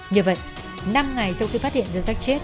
như vậy năm ngày sau khi phát hiện ra rác chết